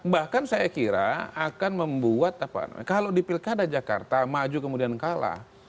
bahkan saya kira akan membuat kalau di pilkada jakarta maju kemudian kalah